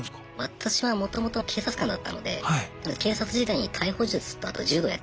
私はもともと警察官だったので警察時代に逮捕術とあと柔道やってましたね。